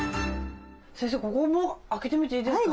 先生ここも開けてみていいですか？